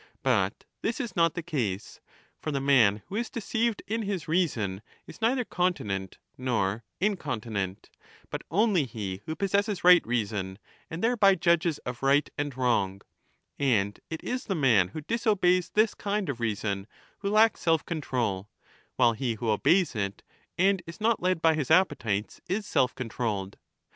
But this is '° not the case. For the man who is deceived in his reason is neither continent nor incontinent, but only he who possesses right reason and thereby judges of right and wrong, and it is the man who disobeys this kind of reason who lacks self control, while he who obeys it and is not led by his appetites is self controlled.